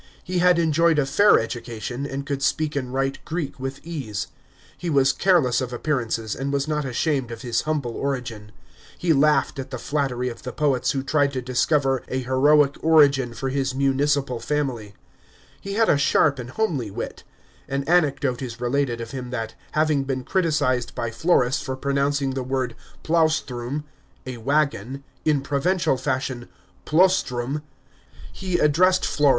He had enjoyed a fair education, and con Id speak and write Greek with ease. He was careless of appearances, and was not ashamed of his humble origin. He laughed at the flattery of the poets who tried to discover a heroic origin for his municipal family. He had a sharp and homely wit. An anecdote is related of him that, having been criticised by Florus for pronouncing the word plaustritm, " a waggon," in provincial fashion plostrum, he addressed Florus, on * Part of the Lex de Imperio passed for Vespasian is extant ; Bee above Chap.